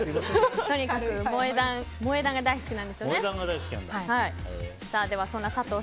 とにかく萌え断が大好きなんですよね。